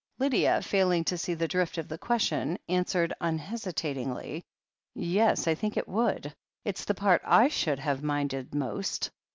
Lydia, failing to see the drift of the question, an swered unhesitatingly : "Yes, I think it would. It's the part / should have minded most."